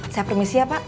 saya permisi ya pak